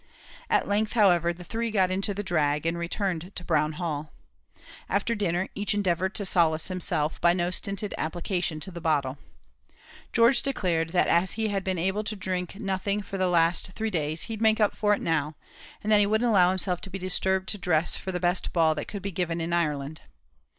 At length, however, the three got into the drag, and returned to Brown Hall. After dinner, each endeavoured to solace himself by no stinted application to the bottle. George declared, that as he had been able to drink nothing for the last three days, he'd make up for it now, and that he wouldn't allow himself to be disturbed to dress for the best ball that could be given in Ireland.